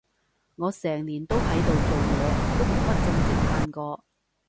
我成年都喺度做嘢，都冇乜正式嘆過